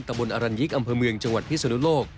บนอรัญยิกอำเภอเมืองจังหวัดพิศนุโลก